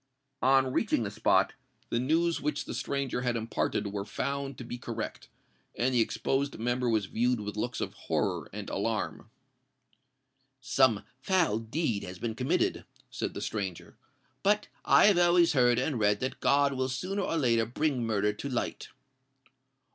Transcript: On reaching the spot, the news which the stranger had imparted were found to be correct; and the exposed member was viewed with looks of horror and alarm. "Some foul deed has been committed," said the stranger; "but I have always heard and read that God will sooner or later bring murder to light."